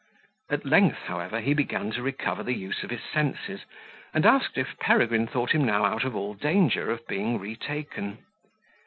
At length, however, he began to recover the use of his senses, and asked if Peregrine thought him now out of all danger of being retaken.